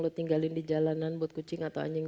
lo tinggalin di jalanan buat kucing atau anjing